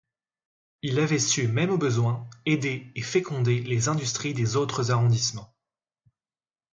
Il avait su même au besoin aider et féconder les industries des autres arrondissements.